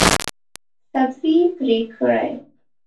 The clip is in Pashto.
سبزي پرې کړئ